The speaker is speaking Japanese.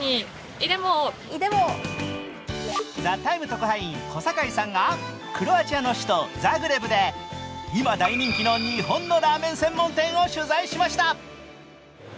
特派員、小坂井さんが、クロアチアの首都ザグレブで今、大人気の日本のラーメン専門店を取材しました。